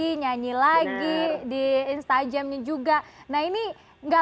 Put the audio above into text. indonesia biasanya juga masih live instagram lagi nyanyi lagi di instagram juga nah ini enggak